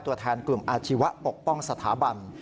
ตัวแทนกลุ่มอาชีวะปกป้องสถาบัน